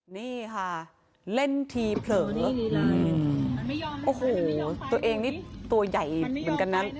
นี่ค่ะเล่นทีเผลอโอ้โหตัวเองนี่ตัวใหญ่เหมือนกันนะ